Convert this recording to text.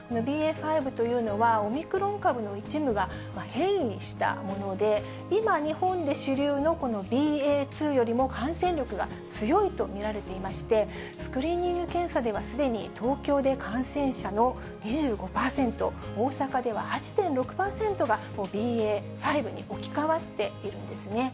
ＢＡ．５というのは、オミクロン株の一部が変異したもので、今、日本で主流のこのＢＡ．２よりも感染力が強いと見られていまして、スクリーニング検査ではすでに東京で感染者の２５％、大阪では８．６％がＢＡ．５に置き換わっているんですね。